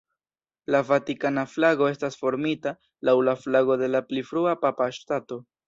La vatikana flago estas formita laŭ la flago de la pli frua Papa Ŝtato.